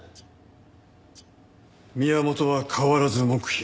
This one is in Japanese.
宮本は変わらず黙秘。